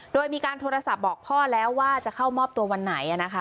โดยมีการโทรศัพท์บอกพ่อแล้วว่าจะเข้ามอบตัววันไหน